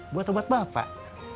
buat obat bapak